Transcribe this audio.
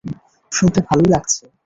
শুনতে ভালোই লাগছে।